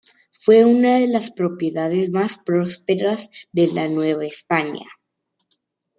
Fue una de las propiedades más prósperas de la Nueva España.